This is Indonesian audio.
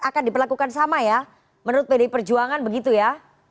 akan diperlakukan sama ya menurut pdi perjuangan begitu ya